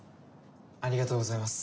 ありがとうございます。